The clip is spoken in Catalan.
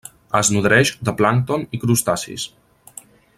Es nodreix de plàncton i crustacis.